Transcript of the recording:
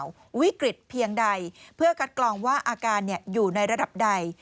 วิกฤตเพียงใดเพื่อคัดกรองว่าอาการอยู่ในระดับใด